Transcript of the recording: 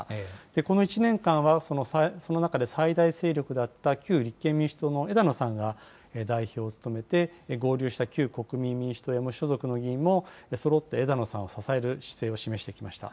この１年間はその中で最大勢力だった旧立憲民主党の枝野さんが代表を務めて、合流した旧国民民主党や無所属の議員も、そろって枝野さんを支える姿勢を示してきました。